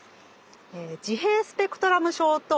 自閉スペクトラム症と注意欠如